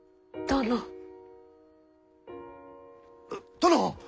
殿！